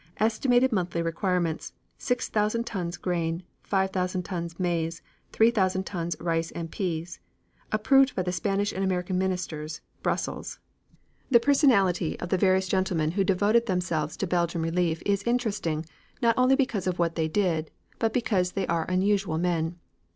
Estimated monthly requirements, 60,000 tons grain, 15,000 tons maize, 3,000 tons rice and peas. Approved by the Spanish and American ministers, Brussels. The personality of the various gentlemen who devoted themselves to Belgian relief is interesting, not only because of what they did, but because they are unusual men.